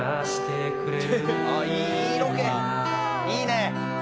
いいね。